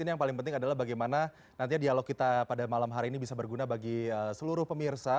ini yang paling penting adalah bagaimana nantinya dialog kita pada malam hari ini bisa berguna bagi seluruh pemirsa